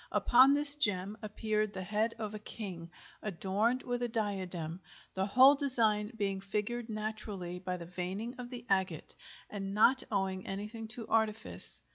Upon this gem appeared the head of a king, adorned with a diadem, the whole design being figured naturally by the veining of the agate, and not owing anything to artifice.